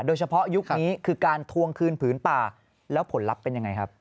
โดยเฉพาะยุคนี้คือการทวงคืนผืนป่าแล้วผลลัพธ์เป็นอย่างไรครับ